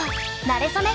なれそめ。